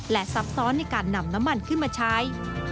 และซับซ้อนในการนำน้ำมันขึ้นมาใช้